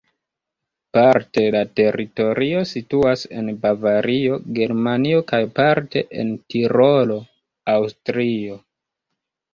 Parte la teritorio situas en Bavario, Germanio kaj parte en Tirolo, Aŭstrio.